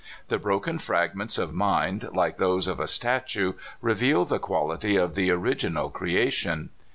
The broken fragments of mind, like those of a statue, reveal the quality of the original creation.